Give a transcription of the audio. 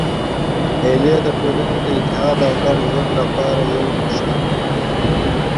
مېلې د ټولني د اتحاد او ګډ ژوند له پاره یو سېمبول دئ.